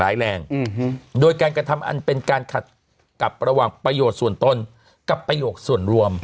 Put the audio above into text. ร้ายแรงโดยการกระทำอันเป็นการขัดกับระหว่างประโยชน์ส่วนตนกับประโยคส่วนรวม